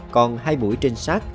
còn hai mũi trinh sát